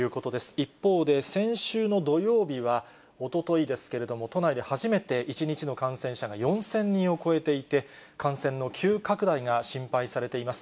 一方で、先週の土曜日は、おとといですけれども、都内で初めて１日の感染者が４０００人を超えていて、感染の急拡大が心配されています。